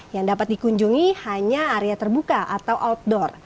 yang dapat dikunjungi hanya area terbuka atau outdoor